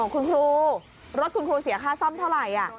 คุณครูรถคุณครูเสียค่าซ่อมเท่าไหร่